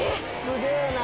「すげえな！」